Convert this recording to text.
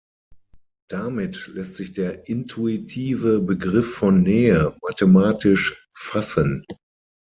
Damit lässt sich der intuitive Begriff von „Nähe“ mathematisch fassen.